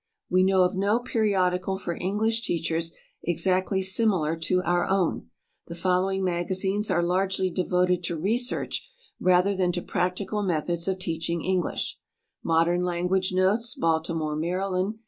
We know of no periodical for English teachers exactly similar to our own. The following magazines are largely devoted to research rather than to practical methods of teaching English: "Modern Language Notes," Baltimore, Md.